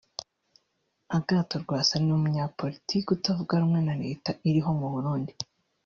Agathon Rwasa ni umunyapolitiki utavuga rumwe na Leta iriho mu Burundi